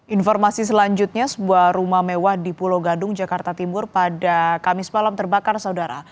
informasi selanjutnya sebuah rumah mewah di pulau gadung jakarta timur pada kamis malam terbakar saudara